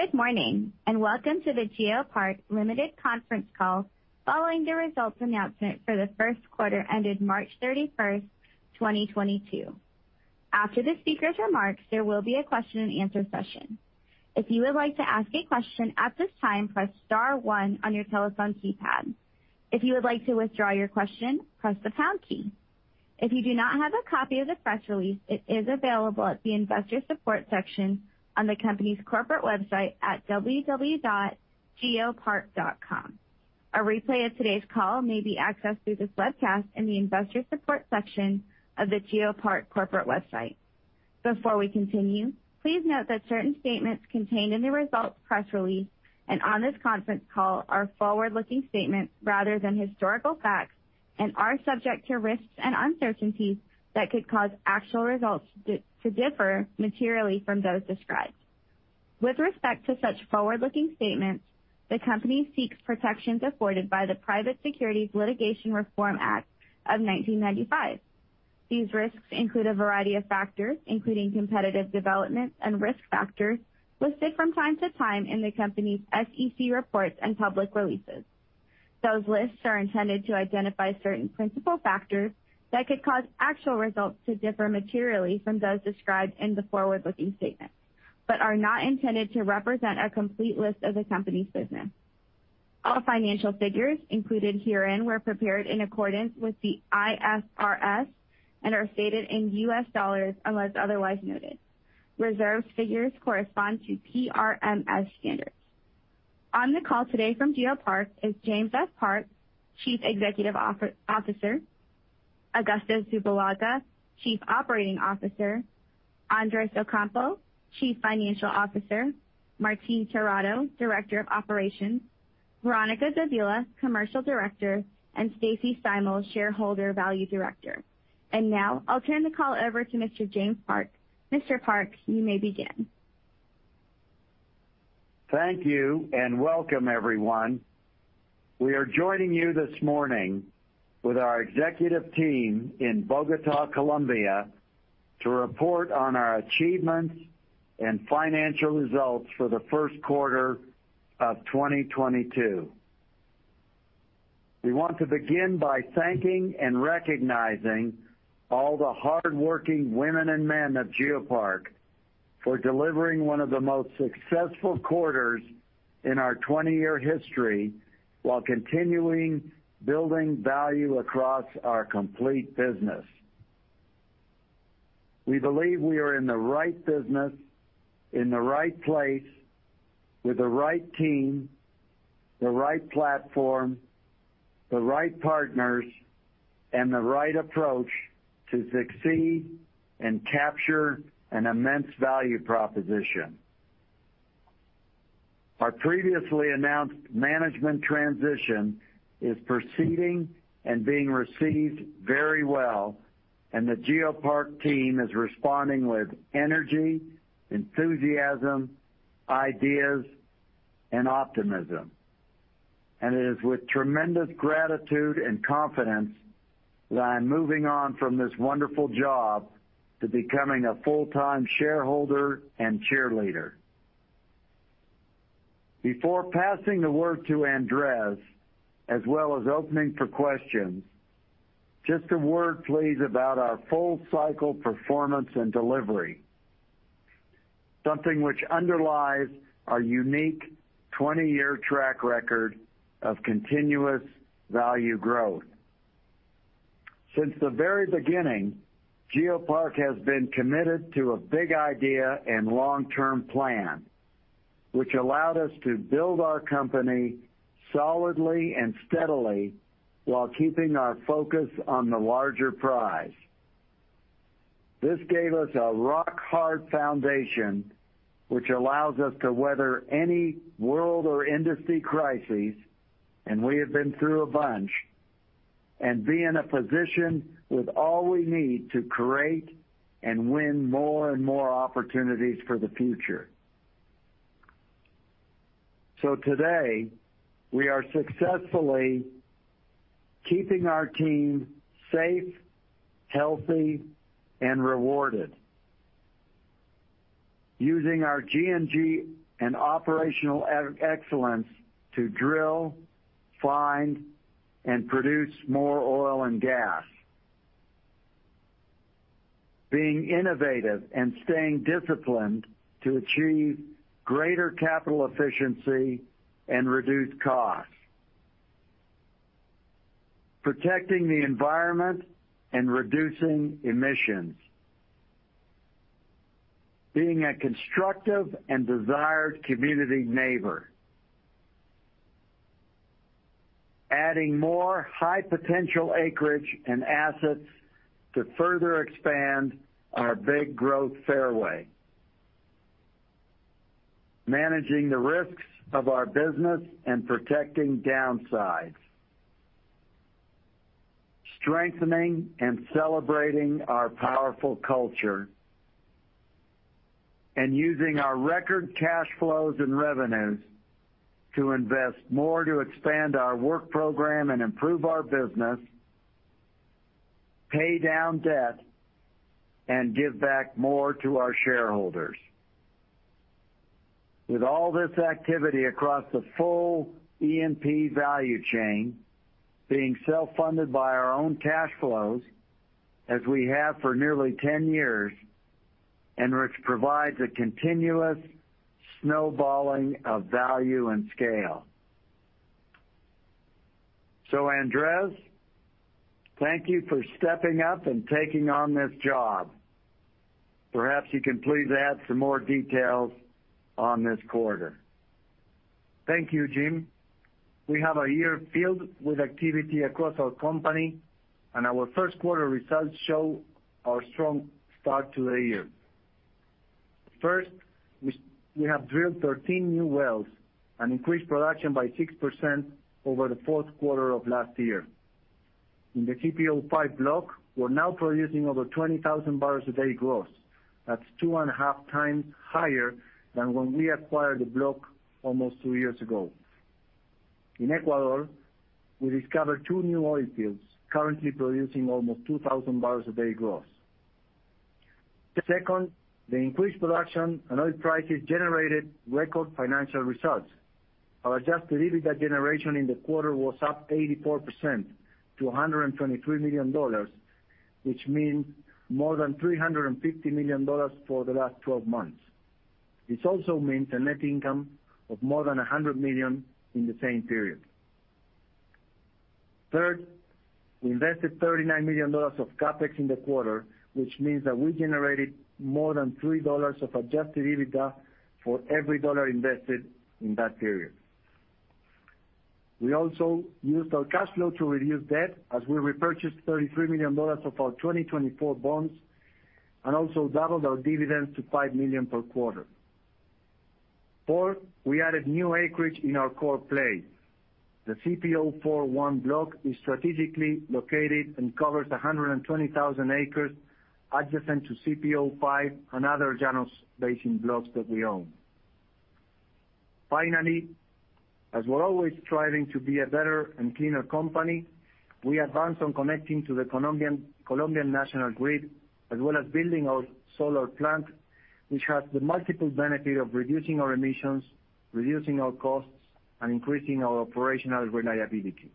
Good morning, and welcome to the GeoPark Limited conference call following the results announcement for the Q1 ended March 31, 2022. After the speaker's remarks, there will be a question-and-answer session. If you would like to ask a question at this time, press star one on your telephone keypad. If you would like to withdraw your question, press the pound key. If you do not have a copy of the press release, it is available at the investor support section on the company's corporate website at www.geopark.com. A replay of today's call may be accessed through this webcast in the investor support section of the GeoPark corporate website. Before we continue, please note that certain statements contained in the results press release and on this conference call are forward-looking statements rather than historical facts and are subject to risks and uncertainties that could cause actual results to differ materially from those described. With respect to such forward-looking statements, the company seeks protections afforded by the Private Securities Litigation Reform Act of 1995. These risks include a variety of factors, including competitive developments and risk factors listed from time to time in the company's SEC reports and public releases. Those lists are intended to identify certain principal factors that could cause actual results to differ materially from those described in the forward-looking statement, but are not intended to represent a complete list of the company's business. All financial figures included herein were prepared in accordance with the IFRS and are stated in US dollars unless otherwise noted. Reserve figures correspond to PRMS standards. On the call today from GeoPark is James F. Park, Chief Executive Officer, Augusto Zubillaga, Chief Operating Officer, Andrés Ocampo, Chief Financial Officer, Martín Terrado, Director of Operations, Veronica Davila, Commercial Director, and Stacy Steimel, Shareholder Value Director. Now I'll turn the call over to Mr. James Park. Mr. Park, you may begin. Thank you, and welcome everyone. We are joining you this morning with our executive team in Bogotá, Colombia, to report on our achievements and financial results for the Q1 of 2022. We want to begin by thanking and recognizing all the hardworking women and men of GeoPark for delivering one of the most successful quarters in our 20-year history while continuing building value across our complete business. We believe we are in the right business, in the right place, with the right team, the right platform, the right partners, and the right approach to succeed and capture an immense value proposition. Our previously announced management transition is proceeding and being received very well, and the GeoPark team is responding with energy, enthusiasm, ideas, and optimism. It is with tremendous gratitude and confidence that I am moving on from this wonderful job to becoming a full-time shareholder and cheerleader. Before passing the word to Andrés as well as opening for questions, just a word please about our full cycle performance and delivery, something which underlies our unique 20-year track record of continuous value growth. Since the very beginning, GeoPark has been committed to a big idea and long-term plan, which allowed us to build our company solidly and steadily while keeping our focus on the larger prize. This gave us a rock-hard foundation, which allows us to weather any world or industry crises, and we have been through a bunch, and be in a position with all we need to create and win more and more opportunities for the future. Today, we are successfully keeping our team safe, healthy, and rewarded. Using our G&G and operational excellence to drill, find, and produce more oil and gas. Being innovative and staying disciplined to achieve greater capital efficiency and reduced costs. Protecting the environment and reducing emissions. Being a constructive and desired community neighbor. Adding more high-potential acreage and assets to further expand our big growth fairway. Managing the risks of our business and protecting downsides. Strengthening and celebrating our powerful culture. Using our record cash flows and revenues to invest more to expand our work program and improve our business, pay down debt, and give back more to our shareholders. With all this activity across the full E&P value chain being self-funded by our own cash flows, as we have for nearly 10 years, and which provides a continuous snowballing of value and scale. Andrés, thank you for stepping up and taking on this job. Perhaps you can please add some more details on this quarter. Thank you, Jim. We have a year filled with activity across our company, and our Q1 results show our strong start to the year. First, we have drilled 13 new wells and increased production by 6% over the Q4 of last year. In the CPO-5 block, we're now producing over 20,000 barrels a day gross. That's 2.5 times higher than when we acquired the block almost two years ago. In Ecuador, we discovered two new oil fields currently producing almost 2,000 barrels a day gross. Second, the increased production and oil prices generated record financial results. Our adjusted EBITDA generation in the quarter was up 84% to $123 million, which means more than $350 million for the last twelve months. This also means a net income of more than $100 million in the same period. Third, we invested $39 million of CapEx in the quarter, which means that we generated more than $3 of adjusted EBITDA for every $1 invested in that period. We also used our cash flow to reduce debt as we repurchased $33 million of our 2024 bonds, and also doubled our dividends to $5 million per quarter. Fourth, we added new acreage in our core play. The CPO-4-1 block is strategically located and covers 120,000 acres adjacent to CPO-5 and other Llanos Basin blocks that we own. Finally, as we're always striving to be a better and cleaner company, we advanced on connecting to the Colombian national grid, as well as building our solar plant, which has the multiple benefit of reducing our emissions, reducing our costs, and increasing our operational reliability.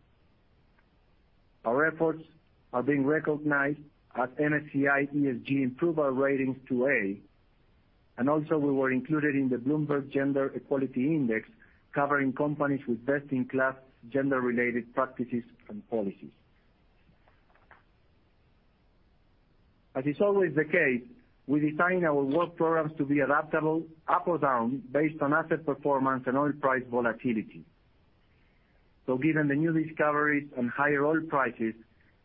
Our efforts are being recognized with MSCI ESG rating improvement to A, and also we were included in the Bloomberg Gender-Equality Index, covering companies with best-in-class gender-related practices and policies. As is always the case, we design our work programs to be adaptable up or down based on asset performance and oil price volatility. Given the new discoveries and higher oil prices,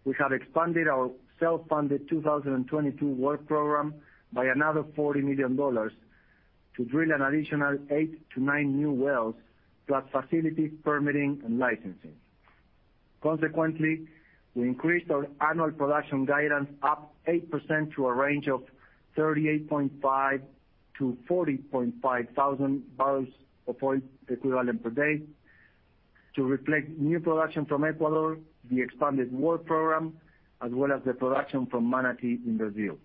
we have expanded our self-funded 2022 work program by another $40 million to drill an additional eight to nine new wells, plus facility permitting and licensing. Consequently, we increased our annual production guidance up 8% to a range of 38.5-40.5 thousand barrels of oil equivalent per day to reflect new production from Ecuador, the expanded work program, as well as the production from Manati in Brazil.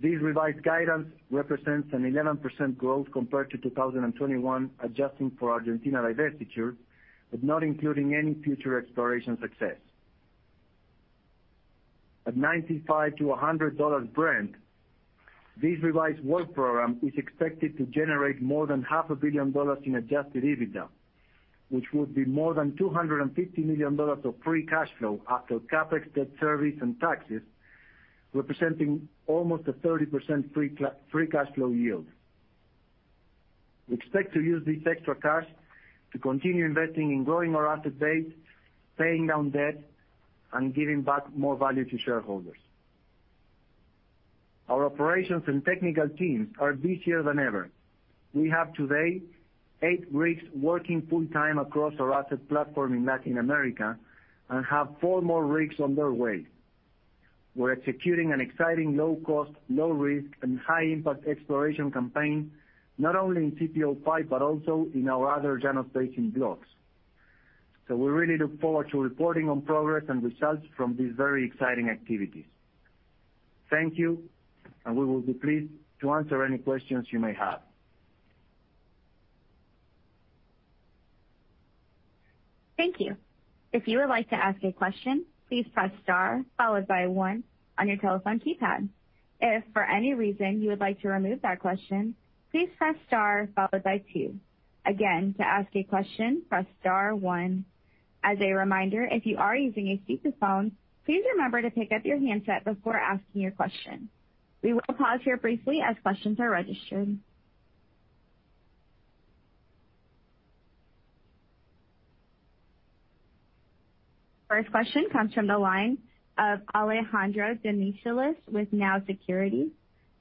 This revised guidance represents an 11% growth compared to 2021, adjusting for Argentina divestiture, but not including any future exploration success. At $95-$100 Brent, this revised work program is expected to generate more than half a billion dollars in adjusted EBITDA, which would be more than $250 million of free cash flow after CapEx, debt service and taxes, representing almost a 30% free cash flow yield. We expect to use this extra cash to continue investing in growing our asset base, paying down debt, and giving back more value to shareholders. Our operations and technical teams are busier than ever. We have today eight rigs working full-time across our asset platform in Latin America, and have four more rigs on their way. We're executing an exciting, low cost, low risk and high impact exploration campaign, not only in CPO-5 but also in our other Llanos Basin blocks. We really look forward to reporting on progress and results from these very exciting activities. Thank you, and we will be pleased to answer any questions you may have. Thank you. If you would like to ask a question, please press star followed by one on your telephone keypad. If for any reason you would like to remove that question, please press star followed by two. Again, to ask a question, press star one. As a reminder, if you are using a speakerphone, please remember to pick up your handset before asking your question. We will pause here briefly as questions are registered. First question comes from the line of Alejandro Demichelis with Nau Securities.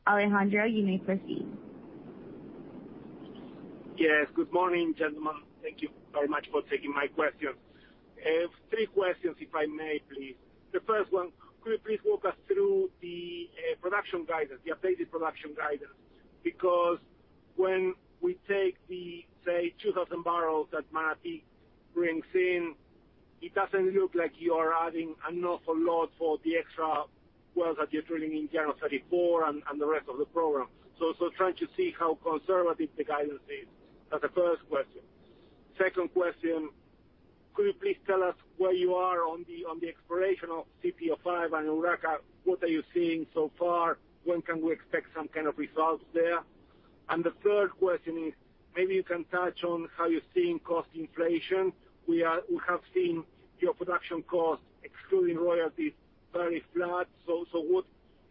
Alejandro, you may proceed. Yes. Good morning, gentlemen. Thank you very much for taking my question. I have three questions, if I may, please. The first one, could you please walk us through the production guidance, the updated production guidance? Because when we take the, say, 2,000 barrels that Manati brings in, it doesn't look like you are adding an awful lot for the extra wells that you're drilling in Llanos 34 and the rest of the program. So trying to see how conservative the guidance is. That's the first question. Second question, could you please tell us where you are on the exploration of CPO-5 and Urraca? What are you seeing so far? When can we expect some kind of results there? And the third question is, maybe you can touch on how you're seeing cost inflation. We have seen your production costs, excluding royalties, very flat. What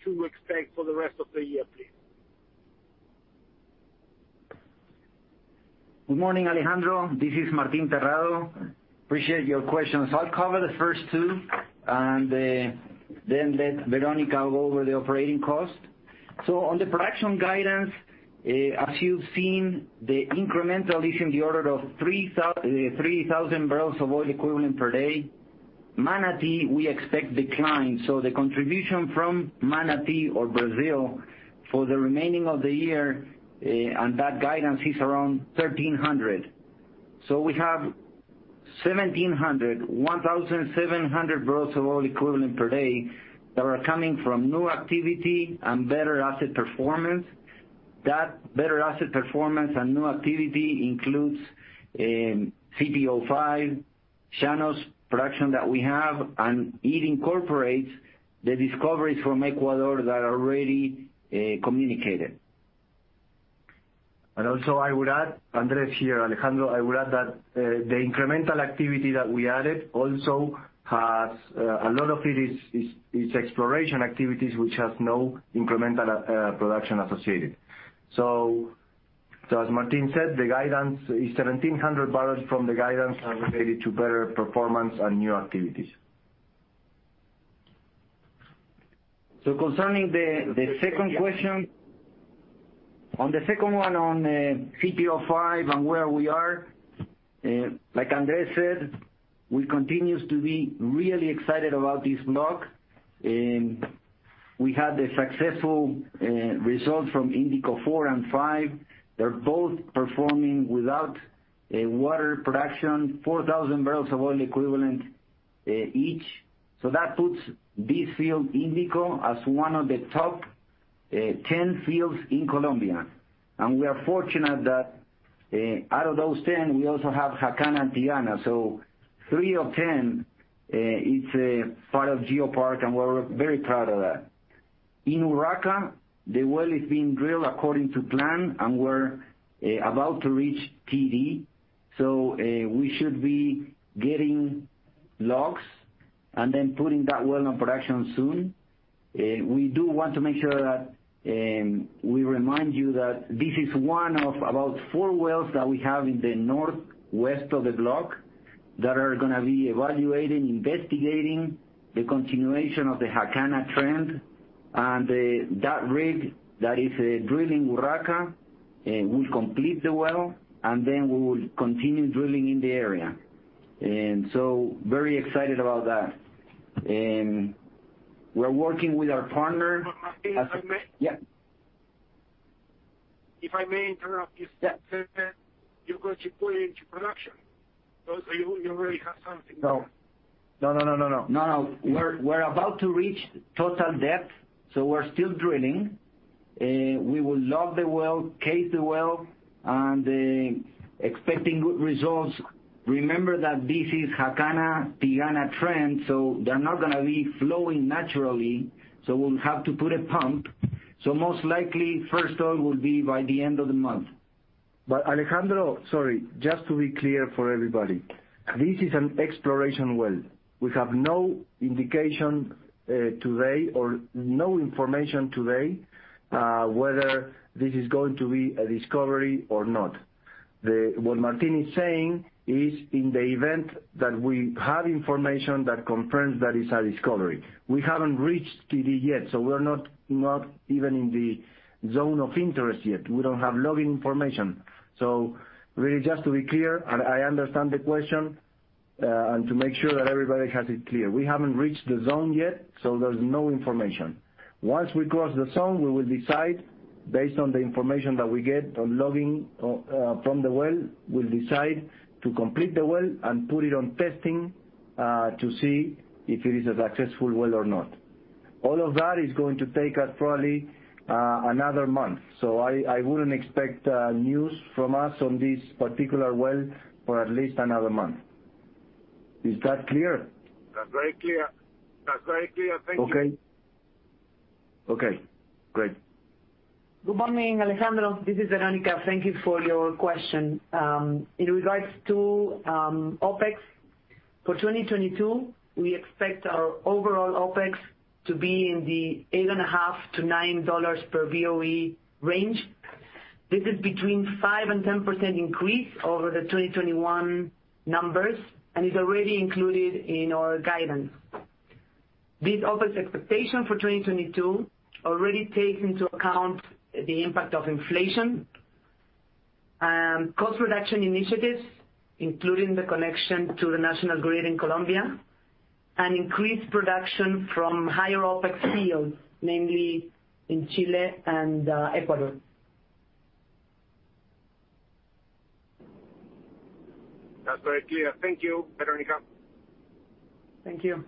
to expect for the rest of the year, please? Good morning, Alejandro. This is Martín Terrado. Appreciate your questions. I'll cover the first two and then let Veronica go over the operating cost. On the production guidance, as you've seen, the incremental is in the order of 3,000 barrels of oil equivalent per day. Manati, we expect decline. The contribution from Manati or Brazil for the remaining of the year, and that guidance is around 1,300. We have 1,700 barrels of oil equivalent per day that are coming from new activity and better asset performance. That better asset performance and new activity includes CPO-5, Llanos production that we have, and it incorporates the discoveries from Ecuador that are already communicated. I would add, Andrés here, Alejandro. I would add that, the incremental activity that we added also has, a lot of it is exploration activities which has no incremental, production associated. So as Martín said, the guidance is 1,700 barrels from the guidance are related to better performance and new activities. Concerning the second question. On the second one on CPO-5 and where we are, like Andrés said, we continues to be really excited about this block. We had the successful results from Indico four and five. They're both performing without a water production, 4,000 barrels of oil equivalent each. That puts this field, Indico, as one of the top 10 fields in Colombia. We are fortunate that out of those 10, we also have Jacana and Tigana. Threeof 10 is part of GeoPark, and we're very proud of that. In Urraca, the well is being drilled according to plan, and we're about to reach TD. We should be getting logs and then putting that well on production soon. We do want to make sure that we remind you that this is one of about four wells that we have in the northwest of the block that are gonna be evaluating, investigating the continuation of the Jacana trend. That rig that is drilling Urraca will complete the well, and then we will continue drilling in the area. Very excited about that. We're working with our partner- Martín, if I may? Yeah. If I may interrupt you. Yeah. You said that you're going to put it into production. You already have something there? No. We're about to reach total depth, so we're still drilling. We will log the well, case the well, and expecting good results. Remember that this is Jacana-Tigana trend, so they're not gonna be flowing naturally, so we'll have to put a pump. Most likely first oil will be by the end of the month. Alejandro, sorry, just to be clear for everybody, this is an exploration well. We have no indication, today or no information today, whether this is going to be a discovery or not. What Martin is saying is in the event that we have information that confirms that it's a discovery. We haven't reached TD yet, so we're not even in the zone of interest yet. We don't have logging information. So really just to be clear, and I understand the question, and to make sure that everybody has it clear. We haven't reached the zone yet, so there's no information. Once we cross the zone, we will decide based on the information that we get on logging, from the well, we'll decide to complete the well and put it on testing, to see if it is a successful well or not. All of that is going to take us probably another month. I wouldn't expect news from us on this particular well for at least another month. Is that clear? That's very clear. Thank you. Okay. Okay, great. Good morning, Alejandro. This is Veronica. Thank you for your question. In regards to OpEx, for 2022, we expect our overall OpEx to be in the $8.5-$9 per BOE range. This is between 5% and 10% increase over the 2021 numbers, and is already included in our guidance. This OpEx expectation for 2022 already takes into account the impact of inflation, cost reduction initiatives, including the connection to the national grid in Colombia, and increased production from higher OpEx fields, mainly in Chile and Ecuador. That's very clear. Thank you, Veronica. Thank you.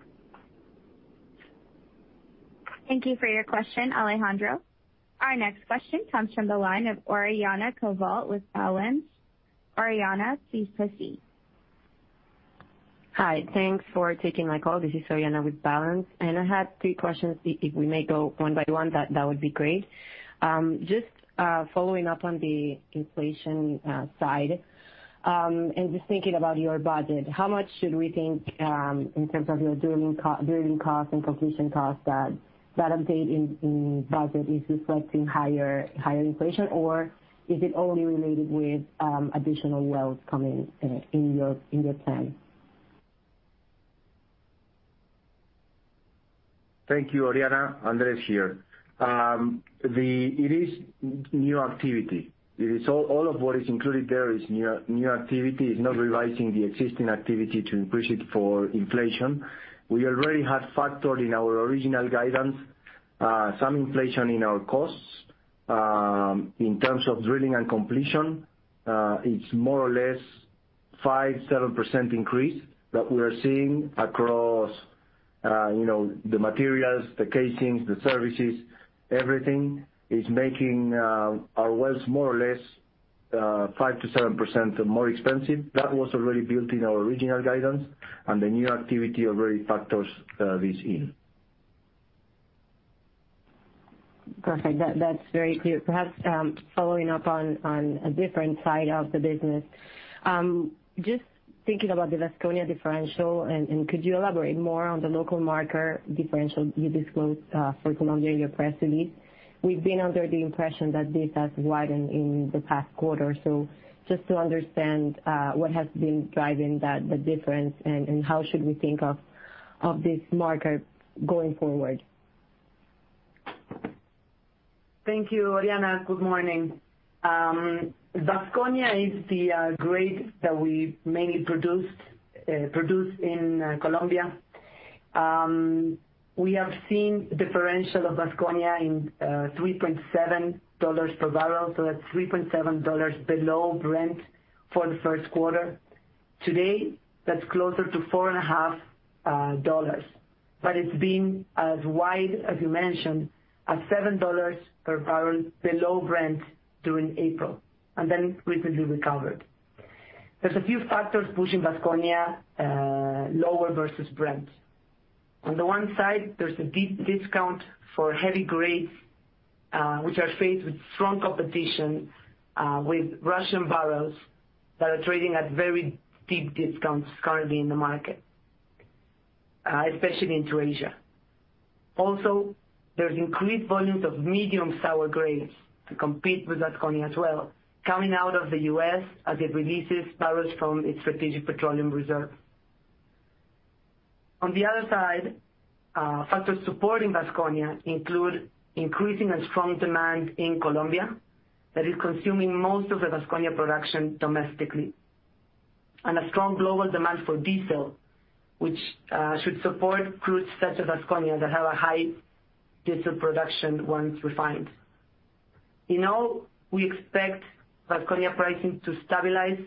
Thank you for your question, Alejandro. Our next question comes from the line of Oriana Covault with Balanz. Oriana, please proceed. Hi. Thanks for taking my call. This is Oriana with Balanz, and I had three questions. If we may go one by one, that would be great. Just following up on the inflation side, and just thinking about your budget, how much should we think in terms of your drilling costs and completion costs that update in budget is reflecting higher inflation? Or is it only related with additional wells coming in your plan? Thank you, Oriana. Andrés here. It is new activity. It is all of what is included there is new activity. It's not revising the existing activity to increase it for inflation. We already had factored in our original guidance, some inflation in our costs. In terms of drilling and completion, it's more or less 5%-7% increase that we are seeing across, you know, the materials, the casings, the services. Everything is making our wells more or less 5%-7% more expensive. That was already built in our original guidance, and the new activity already factors this in. Perfect. That's very clear. Perhaps following up on a different side of the business, just thinking about the Vasconia differential, and could you elaborate more on the local market differential you disclosed for Colombia in your press release? We've been under the impression that this has widened in the past quarter. Just to understand what has been driving that, the difference, and how should we think of this marker going forward? Thank you, Oriana. Good morning. Vasconia is the grade that we mainly produce in Colombia. We have seen differential of Vasconia in $3.7 per barrel, so that's $3.7 below Brent for the Q1. Today, that's closer to $4.5. It's been as wide as you mentioned, at $7 per barrel below Brent during April, and then recently recovered. There's a few factors pushing Vasconia lower versus Brent. On the one side, there's a deep discount for heavy grades, which are faced with strong competition with Russian barrels that are trading at very deep discounts currently in the market, especially into Asia. Also, there's increased volumes of medium sour grades to compete with Vasconia as well, coming out of the U.S. as it releases barrels from its Strategic Petroleum Reserve. On the other side, factors supporting Vasconia include increasing and strong demand in Colombia that is consuming most of the Vasconia production domestically, and a strong global demand for diesel, which should support crudes such as Vasconia that have a high diesel production once refined. In all, we expect Vasconia pricing to stabilize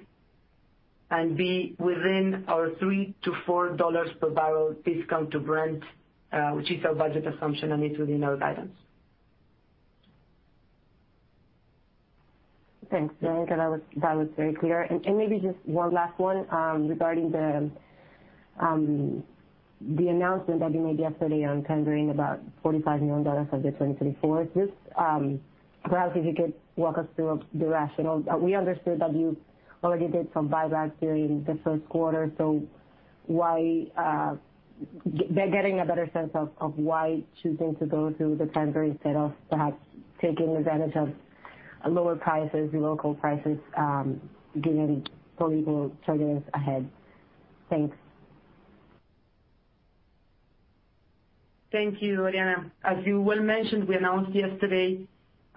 and be within our $3-$4 per barrel discount to Brent, which is our budget assumption, and it's within our guidance. Thanks, Veronica. That was very clear. Maybe just one last one regarding the announcement that you made yesterday on tendering about $45 million of your 2024. Just perhaps if you could walk us through the rationale. We understood that you already did some buybacks during the Q1, so why getting a better sense of why choosing to go through the tender instead of perhaps taking advantage of lower prices, local prices, given political triggers ahead. Thanks. Thank you, Oriana. As you well mentioned, we announced yesterday,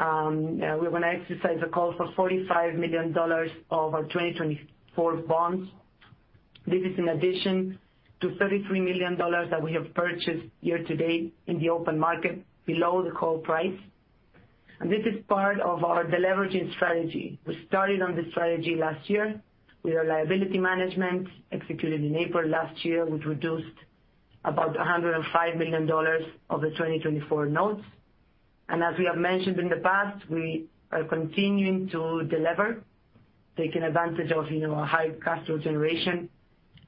we're gonna exercise a call for $45 million of our 2024 bonds. This is in addition to $33 million that we have purchased year to date in the open market below the call price. This is part of our deleveraging strategy. We started on this strategy last year with our liability management executed in April last year, which reduced about $105 million of the 2024 notes. As we have mentioned in the past, we are continuing to delever, taking advantage of, you know, a high cash flow generation,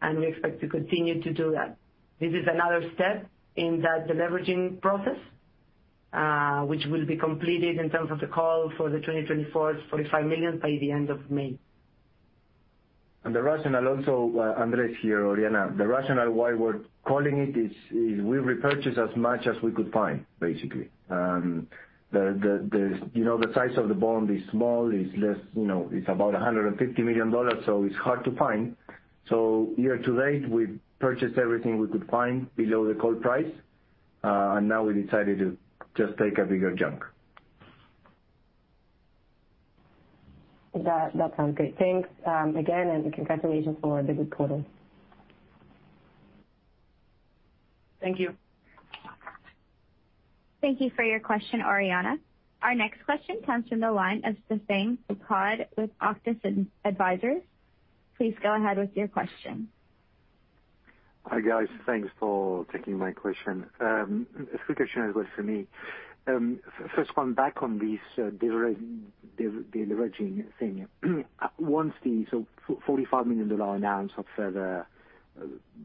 and we expect to continue to do that. This is another step in that deleveraging process, which will be completed in terms of the call for the 2024 $45 million by the end of May. The rationale also, Andrés here, Oriana. The rationale why we're calling it is we repurchase as much as we could find, basically. You know, the size of the bond is small. It's less, you know, it's about $150 million, so it's hard to find. Year to date, we've purchased everything we could find below the call price, and now we decided to just take a bigger chunk. That sounds great. Thanks, again, and congratulations for the good quarter. Thank you. Thank you for your question, Oriana. Our next question comes from the line of Stephane Foucaud with Auctus Advisors. Please go ahead with your question. Hi, guys. Thanks for taking my question. A few questions as well for me. First one, back on this deleveraging thing. Once the so $45 million announcement of further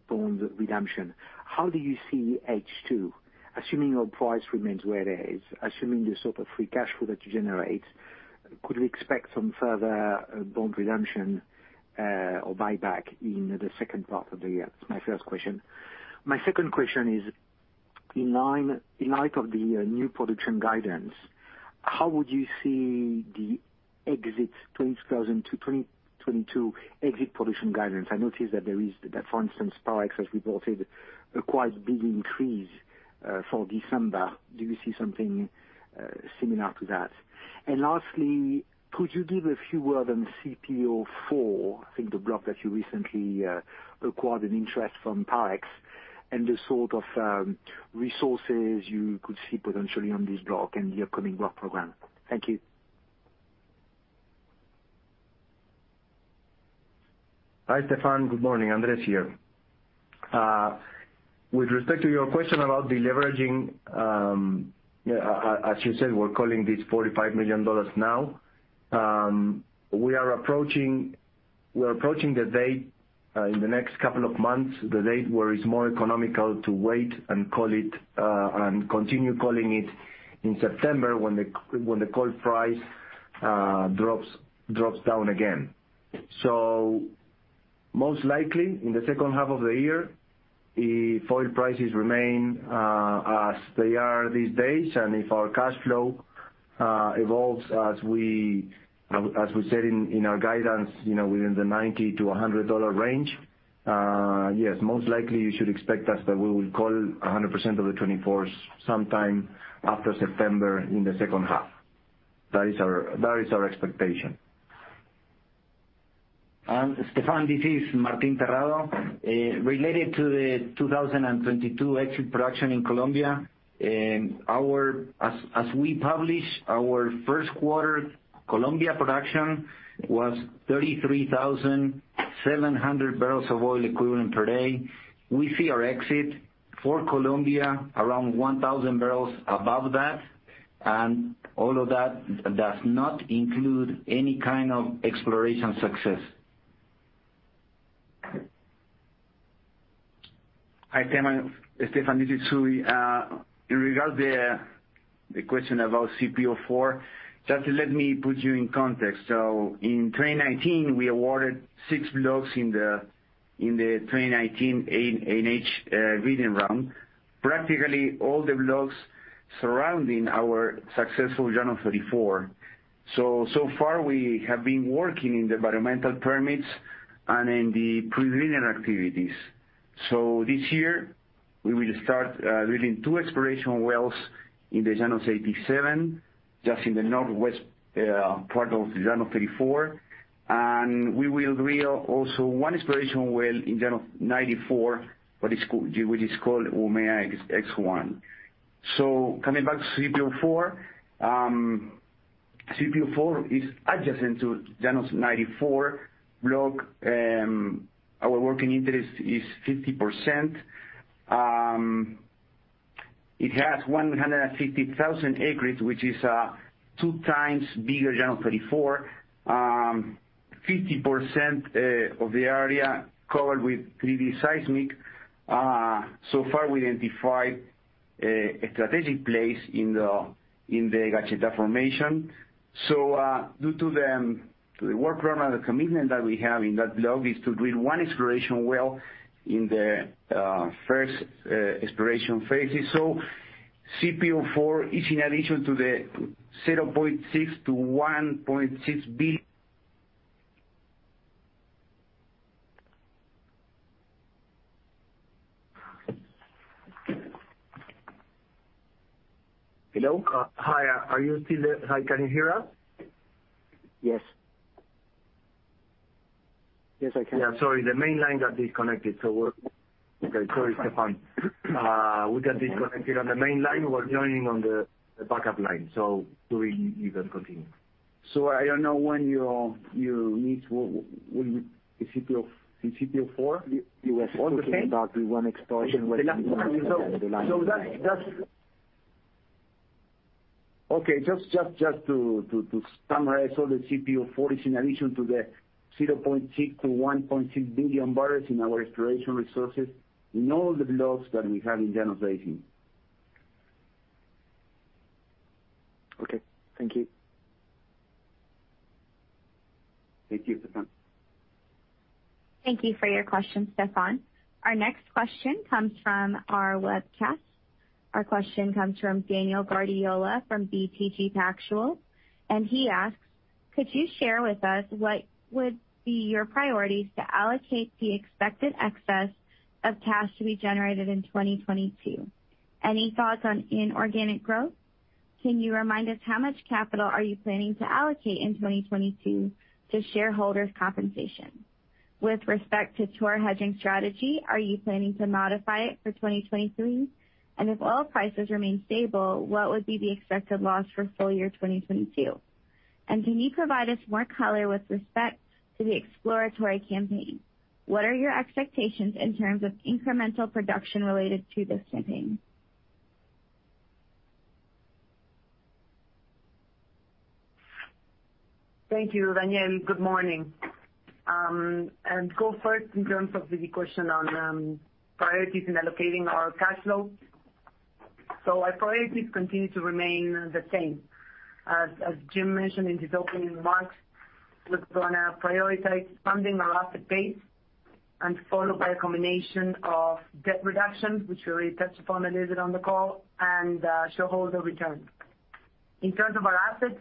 bonds redemption, how do you see H2, assuming your price remains where it is, assuming the sort of free cash flow that you generate, could we expect some further bond redemption or buyback in the second part of the year? It's my first question. My second question is, in light of the new production guidance, how would you see the exit 20,000 to 2022 exit production guidance? I noticed that for instance, Parex has reported a quite big increase for December. Do you see something similar to that? Lastly, could you give a few words on CPO-4? I think the block that you recently acquired an interest from Parex, and the sort of resources you could see potentially on this block and the upcoming block program. Thank you. Hi, Stéphane. Good morning. Andrés here. With respect to your question about deleveraging, yeah, as you said, we're calling this $45 million now. We are approaching the date, in the next couple of months, the date where it's more economical to wait and call it and continue calling it in September when the call price drops down again. Most likely, in the second half of the year, if oil prices remain as they are these days, and if our cash flow evolves as we said in our guidance, you know, within the $90-$100 range, yes, most likely you should expect us that we will call 100% of the 2024 sometime after September in the second half. That is our expectation. Stephane, this is Martín Terrado. Related to the 2022 exit production in Colombia, our... As we published, our Q1 Colombia production was 33,700 barrels of oil equivalent per day. We see our exit for Colombia around 1,000 barrels above that, and all of that does not include any kind of exploration success. Hi, Stephane. This is Augusto. In regard to the question about CPO-4, just let me put you in context. In 2019, we awarded six blocks in the 2019 ANH bidding round. Practically all the blocks surrounding our successful Llanos 34. So far we have been working in the environmental permits and in the pre-drilling activities. This year we will start drilling two exploration wells in the Llanos 87, just in the northwest part of the Llanos 34. We will drill also one exploration well in Llanos 94, which is called Umea X-1. Coming back to CPO-4, CPO-4 is adjacent to Llanos 94 block. Our working interest is 50%. It has 150,000 acres, which is 2 times bigger than Llanos 34. 50% of the area covered with 3D seismic. So far we identified a strategic place in the Gacheta formation. Due to the work around the commitment that we have in that block is to drill one exploration well in the first exploration phases. CPO-4 is in addition to the $0.6-$1.6 billion. Hello? Hi. Are you still there? Hi, can you hear us? Yes. Yes, I can. Yeah, sorry, the main line got disconnected. Okay. Sorry, Stephane. We got disconnected on the main line. We're joining on the backup line. Tui, you can continue. I don't know when you meet with CPO-4. You were talking about the one exploration well- That's. Okay. Just to summarize all the CPO-4 is in addition to the 0.6-1.6 billion barrels in our exploration resources in all the blocks that we have in Llanos Basin. Okay, thank you. Thank you, Stephane. Thank you for your question, Stephane. Our next question comes from our webcast. Our question comes from Daniel Guardiola from BTG Pactual, and he asks. Could you share with us what would be your priorities to allocate the expected excess of cash to be generated in 2022? Any thoughts on inorganic growth? Can you remind us how much capital are you planning to allocate in 2022 to shareholders compensation? With respect to your hedging strategy, are you planning to modify it for 2023? If oil prices remain stable, what would be the expected loss for full year 2022? Can you provide us more color with respect to the exploratory campaign? What are your expectations in terms of incremental production related to this campaign? Thank you, Daniel Guardiola. Good morning. I'll go first in terms of the question on priorities in allocating our cash flow. Our priorities continue to remain the same. As Jim mentioned in his opening remarks, we're gonna prioritize funding our asset base and followed by a combination of debt reduction, which we already touched upon a little bit on the call, and shareholder returns. In terms of our assets,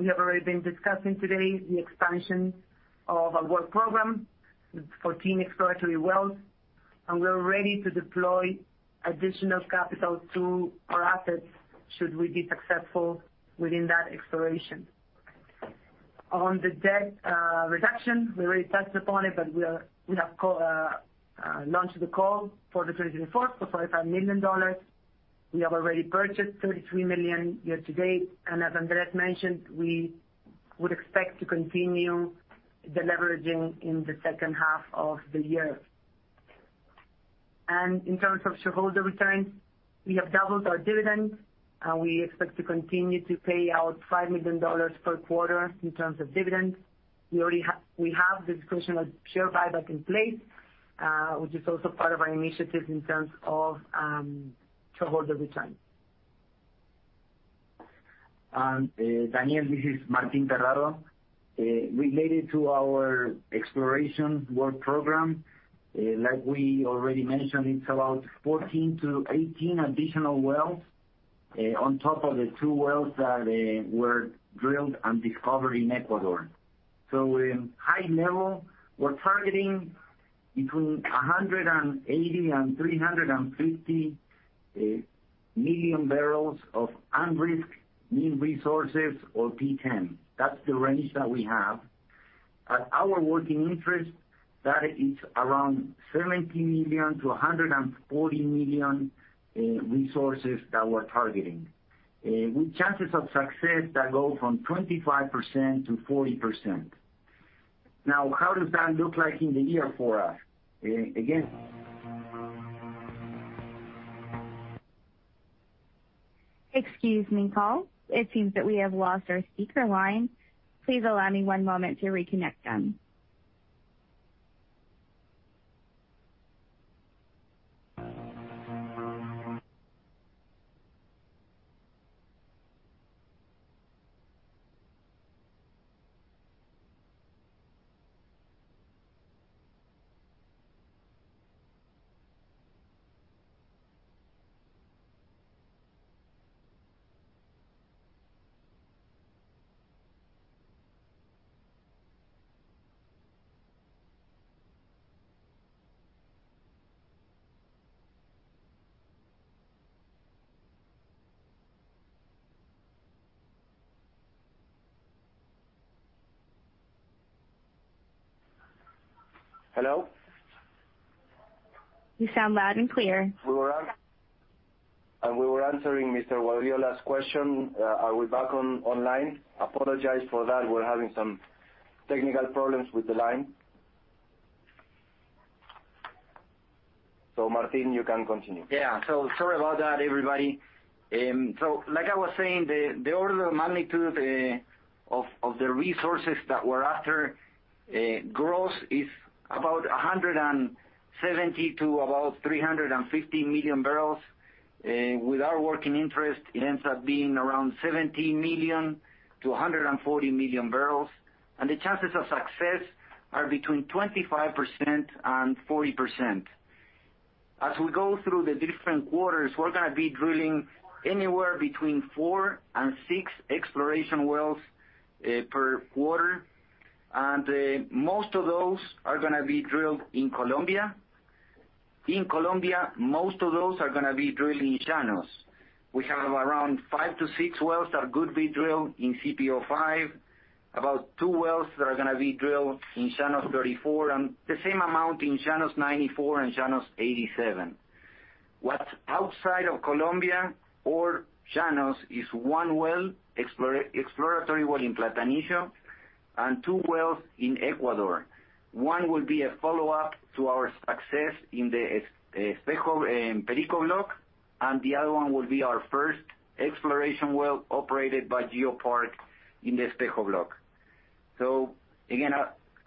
we have already been discussing today the expansion of our work program for ten exploratory wells, and we're ready to deploy additional capital to our assets should we be successful within that exploration. On the debt reduction, we already touched upon it, but we have launched the call for the 2024 for $45 million. We have already purchased $33 million year to date, and as Andrés mentioned, we would expect to continue the leveraging in the second half of the year. In terms of shareholder returns, we have doubled our dividends, and we expect to continue to pay out $5 million per quarter in terms of dividends. We have the discussion of share buyback in place, which is also part of our initiative in terms of shareholder returns. Daniel Guardiola, this is Martín Terrado. Related to our exploration work program, like we already mentioned, it's about 14-18 additional wells, on top of the two wells that were drilled and discovered in Ecuador. In high level, we're targeting between 180 and 350 million barrels of unrisked mean resources or P10. That's the range that we have. At our working interest, that is around 70 million to 140 million resources that we're targeting, with chances of success that go from 25%-40%. Now, how does that look like in the year for us? Again. Excuse me, call. It seems that we have lost our speaker line. Please allow me one moment to reconnect them. Hello. You sound loud and clear. We were answering Mr. Guardiola's question. Are we back online? Apologize for that. We're having some technical problems with the line. Martin, you can continue. Yeah. Sorry about that, everybody. Like I was saying, the order of magnitude of the resources that we're after, gross is about 170-350 million barrels. With our working interest, it ends up being around 70-140 million barrels. The chances of success are between 25% and 40%. As we go through the different quarters, we're gonna be drilling anywhere between four and six exploration wells per quarter. Most of those are gonna be drilled in Colombia. In Colombia, most of those are gonna be drilled in Llanos. We have around five to six wells that could be drilled in CPO-5, about two wells that are gonna be drilled in Llanos 34, and the same amount in Llanos 94 and Llanos 87. What's outside of Colombia or Llanos is one exploratory well in Platanillo and two wells in Ecuador. One will be a follow-up to our success in the Espejo-Perico block, and the other one will be our first exploration well operated by GeoPark in the Espejo block. Again,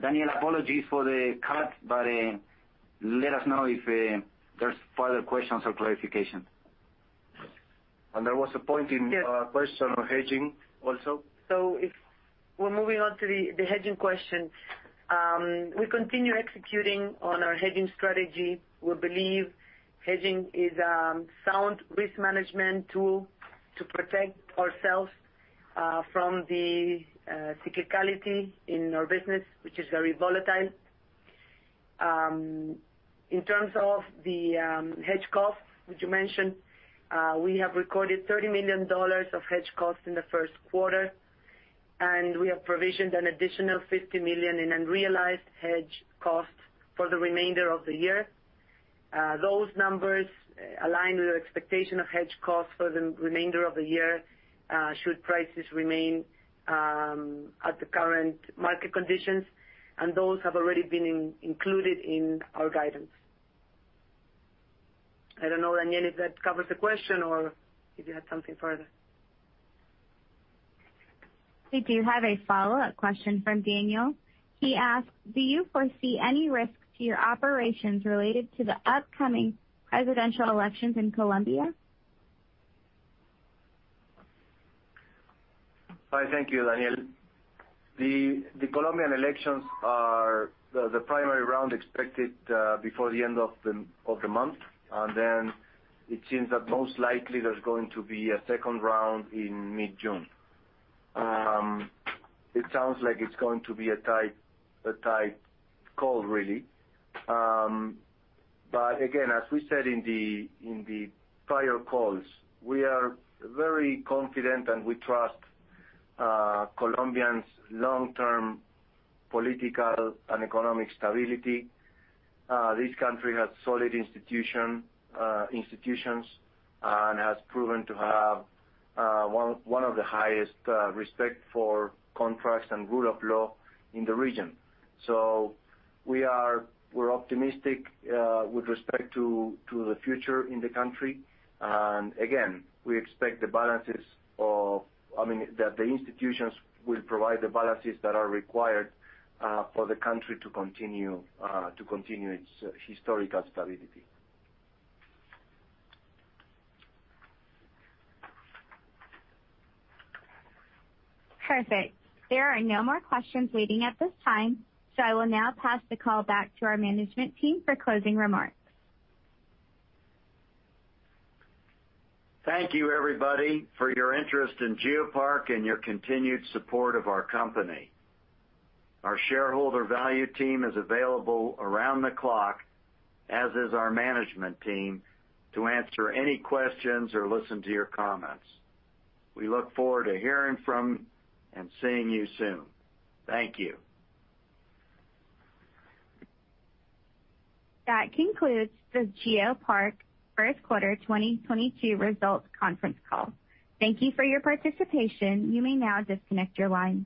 Daniel Guardiola, apologies for the cut, but let us know if there's further questions or clarifications. There was a point in question on hedging also. If we're moving on to the hedging question. We continue executing on our hedging strategy. We believe hedging is sound risk management tool to protect ourselves from the cyclicality in our business, which is very volatile. In terms of the hedge cost, which you mentioned, we have recorded $30 million of hedge costs in the Q1, and we have provisioned an additional $50 million in unrealized hedge costs for the remainder of the year. Those numbers align with our expectation of hedge costs for the remainder of the year, should prices remain at the current market conditions, and those have already been included in our guidance. I don't know, Daniel, if that covers the question or if you had something further. We do have a follow-up question from Daniel. He asks, "Do you foresee any risk to your operations related to the upcoming presidential elections in Colombia? Hi, thank you, Daniel. The Colombian elections are the primary round expected before the end of the month. Then it seems that most likely there's going to be a second round in mid-June. It sounds like it's going to be a tight call, really. But again, as we said in the prior calls, we are very confident and we trust Colombians' long-term political and economic stability. This country has solid institutions and has proven to have one of the highest respect for contracts and rule of law in the region. We are optimistic with respect to the future in the country. Again, we expect the balances of. I mean, that the institutions will provide the balances that are required for the country to continue its historical stability. Perfect. There are no more questions waiting at this time, so I will now pass the call back to our management team for closing remarks. Thank you, everybody, for your interest in GeoPark and your continued support of our company. Our shareholder value team is available around the clock, as is our management team, to answer any questions or listen to your comments. We look forward to hearing from and seeing you soon. Thank you. That concludes the GeoPark Q1 2022 results conference call. Thank you for your participation. You may now disconnect your line.